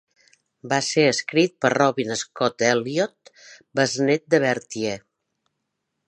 Va ser escrit per Robin Scott-Elliot, besnet de Bertie.